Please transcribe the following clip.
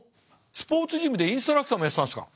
スポーツジムでインストラクターもやってたんですか。